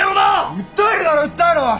訴えるなら訴えろ！